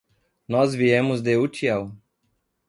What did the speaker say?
Nós viemos de Utiel.